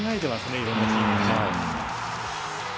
いろんなチームがね。